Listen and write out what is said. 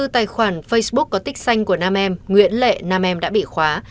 tài khoản facebook có tích xanh của nam em nguyễn lệ nam em đã bị khóa